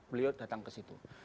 beliau datang kesitu